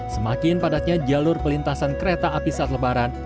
semakin padatnya jalur pelintasan kereta api saat lebaran